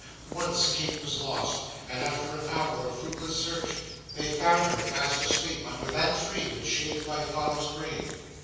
Once, Kate was lost, and after an hour of fruitless search, they found her, fast asleep, under that tree which shades my father's grave.